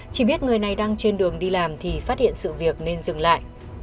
chỉ biết người này đang trên đường đi làm thì phát hiện sự việc nên dừng lại